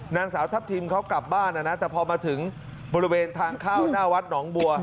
นางสาวทัพทิมเขากลับบ้านนะนะแต่พอมาถึงบริเวณทางเข้าหน้าวัดหนองบัว